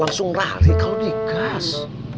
langsung lari kalau digas